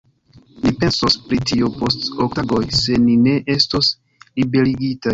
Ni pensos pri tio post ok tagoj, se ni ne estos liberigitaj.